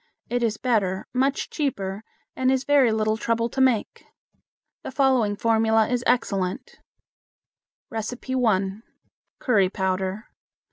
It is better, much cheaper, and is very little trouble to make. The following formula is excellent: 1. Curry Powder.